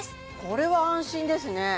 これは安心ですね